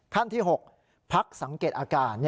ขั้นที่๖พักสังเกตอาการ